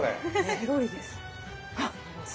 セロリです。